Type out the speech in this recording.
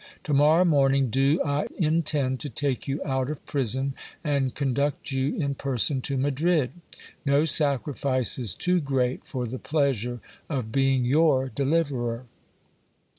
To morrow morning do I intend to take you out of prison, and conduct you in person to Madrid. No sacrifice is too great for the pleasure of being your deliverer.